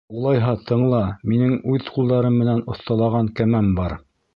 Улайһа, тыңла, минең үҙ ҡулдарым менән оҫталаған кәмәм бар.